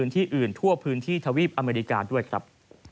ที่อื่นทั่วพื้นที่ทวีปอเมริกาด้วยครับ